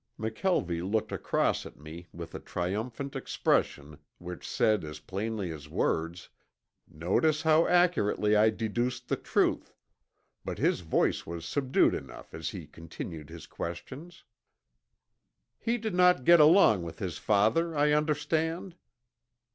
McKelvie looked across at me with a triumphant expression which said as plainly as words, "Notice how accurately I deduced the truth," but his voice was subdued enough as he continued his questions. "He did not get along with his father, I understand?"